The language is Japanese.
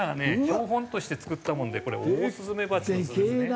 標本として作ったものでこれオオスズメバチの巣ですね。